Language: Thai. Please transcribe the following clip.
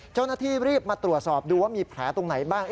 เจ้าหน้าที่รีบมาตรวจสอบดูว่ามีแผลตรงไหนบ้าง